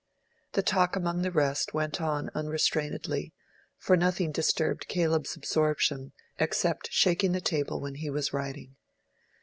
The talk among the rest went on unrestrainedly, for nothing disturbed Caleb's absorption except shaking the table when he was writing.